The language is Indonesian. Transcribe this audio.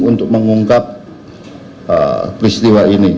untuk mengungkap peristiwa ini